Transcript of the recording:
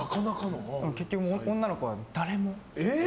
結局、女の子は誰も。